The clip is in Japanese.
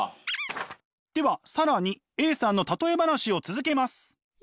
では更にＡさんの例え話を続けます！